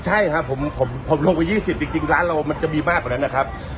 อ๋อ๒๐ใช่ครับผมผมผมลงไป๒๐จริงจริงร้านเรามันจะมีมากกว่านั้นนะครับ